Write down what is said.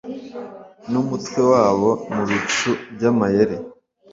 numutwe wabo mubicu byamayeri.